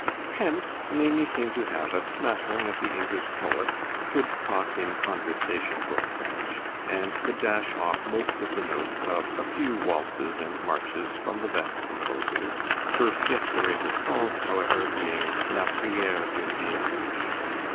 Hence Maimie came to have a smattering of the English poets, could talk in conversation book French, and could dash off most of the notes of a few waltzes and marches from the best composers, her piece de resistance, however, being "La Priere d'une Vierge."